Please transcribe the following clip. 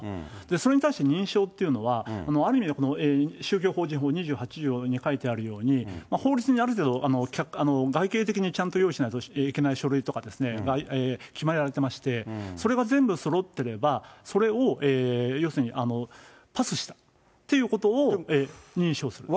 それに対して認証っていうのは、ある意味、宗教法人法２８条に書いてあるように、法律にある程度、外形的にちゃんと用意しなければいけない書類とか決められてまして、それが全部そろってれば、それを要するに、パスしたということを認証すると。